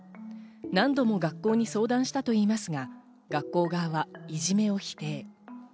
何度も学校に相談したといいますが、学校側はいじめを否定。